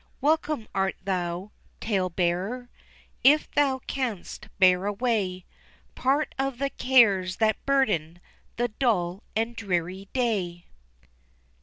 Welcome art thou, tale bearer, If thou canst bear away Part of the cares that burden The dull and dreary day.